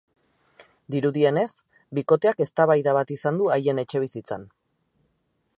Dirudienez, bikoteak eztabaida bat izan du haien etxebizitzan.